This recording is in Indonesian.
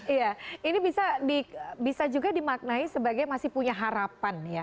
iya ini bisa juga dimaknai sebagai masih punya harapan ya